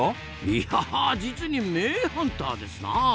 いや実に名ハンターですなあ！